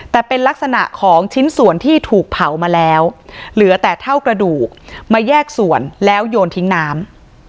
แต่เป็นลักษณะของชิ้นส่วนที่ถูกเผามาแล้วเหลือแต่เท่ากระดูกมาแยกส่วนแล้วโยนทิ้งน้ำ